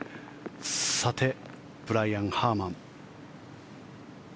ブライアン・ハーマン。